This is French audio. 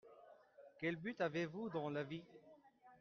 Quel but avez-vous dans la vie ?